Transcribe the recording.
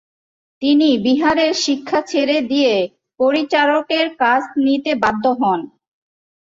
তিনি বিহারের শিক্ষা ছেড়ে দিয়ে পরিচারকের কাজ নিতে বাধ্য হন।